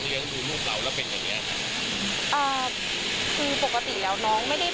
ดูลูกเราแล้วเป็นอย่างเงี้ยครับอ่าคือปกติแล้วน้องไม่ได้